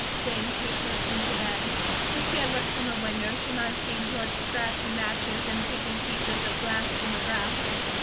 Then Kate went in to bed. If she had looked from her window, she might have seen George scratching matches and picking pieces of glass from the grass.